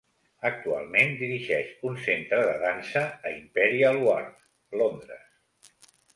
Actualment dirigeix un centre de dansa a Imperial Wharf, Londres.